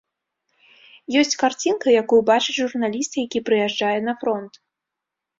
Ёсць карцінка, якую бачыць журналіст, які прыязджае на фронт.